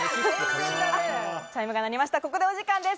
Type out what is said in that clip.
ここでお時間です。